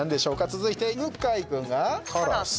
続いて向井君がからす。